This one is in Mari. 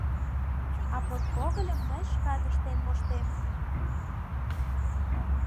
А подкогыльым мый шкат ыштен моштем.